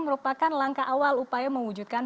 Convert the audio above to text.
merupakan langkah awal upaya mewujudkan